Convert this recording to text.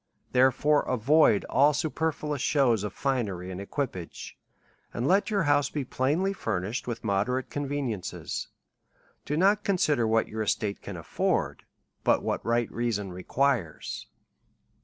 Therefore, avoid all superfluous shows of finery and equipage, and let your house be plainly furnished with moderate conveniences. Do not con sider what your estate can afford, but what right rea son requires.